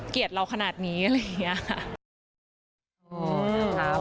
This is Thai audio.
เกลียดเราขนาดนี้อะไรอย่างนี้ค่ะ